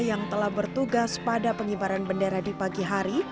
yang telah bertugas pada pengibaran bendera di pagi hari